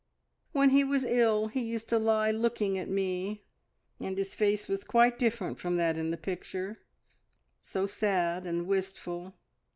"When he was ill he used to lie looking at me, and his face was quite different from that in the picture so sad and wistful.